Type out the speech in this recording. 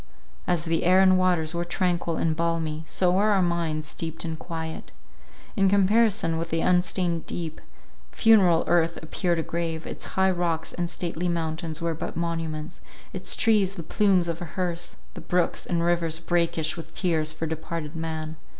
As the air and waters were tranquil and balmy, so were our minds steeped in quiet. In comparison with the unstained deep, funereal earth appeared a grave, its high rocks and stately mountains were but monuments, its trees the plumes of a herse, the brooks and rivers brackish with tears for departed man.